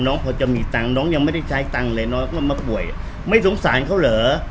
พอจะมีตังค์น้องยังไม่ได้ใช้ตังค์เลยน้องก็มาป่วยไม่สงสารเขาเหรอ